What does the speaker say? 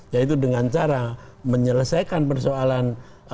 yaitu dengan cara menyelesaikan persoalan